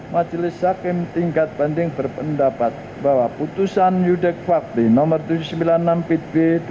majelis hakim tingkat banding berpendapat bahwa putusan yudek fakli no tujuh ratus sembilan puluh enam pid b dua ribu dua puluh dua